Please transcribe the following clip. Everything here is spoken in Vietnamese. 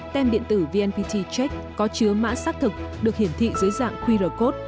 tem điện tử vnpt check có chứa mã xác thực được hiển thị dưới dạng qr code